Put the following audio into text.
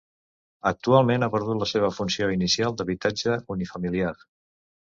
Actualment ha perdut la seva funció inicial d'habitatge unifamiliar.